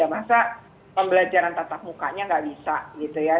masa pembelajaran tatap mukanya tidak bisa